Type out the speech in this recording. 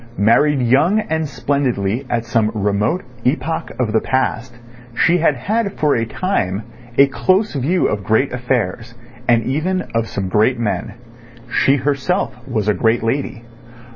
Married young and splendidly at some remote epoch of the past, she had had for a time a close view of great affairs and even of some great men. She herself was a great lady.